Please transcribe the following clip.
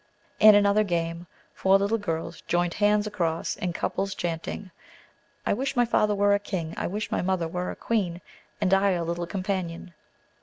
In another name, four little girls joined hands across, in couples, chanting: "I wish my father were a king, I wish my mother were a queen, And I a little companion!"